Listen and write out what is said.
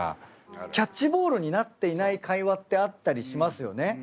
キャッチボールになっていない会話ってあったりしますよね。